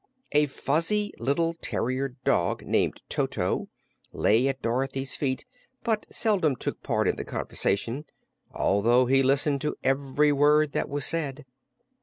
A fuzzy little terrier dog, named Toto, lay at Dorothy's feet but seldom took part in the conversation, although he listened to every word that was said.